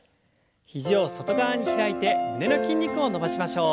肘を外側に開いて胸の筋肉を伸ばしましょう。